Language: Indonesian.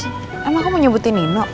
emang aku mau nyebutin nino